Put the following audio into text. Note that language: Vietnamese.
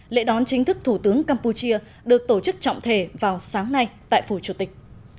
lễ đón chính thức thủ tướng campuchia được tổ chức trọng thể vào sáng nay tại phủ chủ tịch